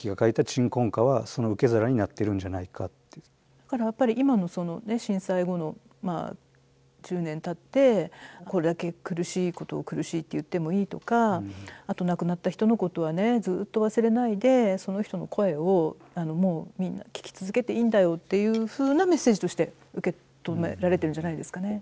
だからやっぱり今の震災後の１０年たってこれだけ苦しいことを苦しいって言ってもいいとかあと亡くなった人のことはねずっと忘れないでその人の声をもうみんな聞き続けていいんだよっていうふうなメッセージとして受け止められているんじゃないですかね。